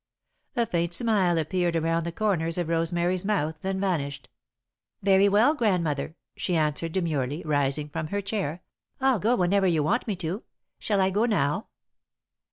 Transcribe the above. A faint smile appeared around the corners of Rosemary's mouth, then vanished. "Very well, Grandmother," she answered, demurely, rising from her chair. "I'll go whenever you want me to. Shall I go now?"